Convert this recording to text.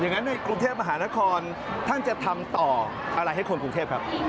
งั้นในกรุงเทพมหานครท่านจะทำต่ออะไรให้คนกรุงเทพครับ